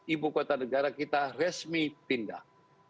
ibu kota negara kita resmi pindah